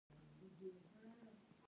پرانېستي بنسټونه رامنځته شول.